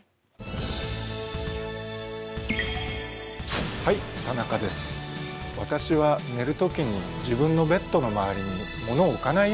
私は寝る時に自分のベッドの周りに物を置かないようにしています。